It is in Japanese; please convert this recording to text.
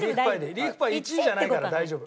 リーフパイ１位じゃないから大丈夫。